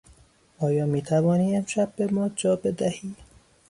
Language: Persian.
آیا میتوانی امشب به ما جا بدهی؟